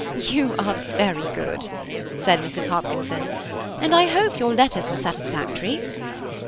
"You are very good," said Mrs. Hopkinson, "and I hope your letters were satisfactory."